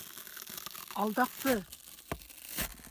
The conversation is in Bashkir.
Алдаҡсы!..